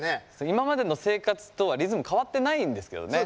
今までの生活とはリズム、変わってないんだけどね。